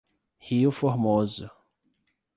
Rio Formoso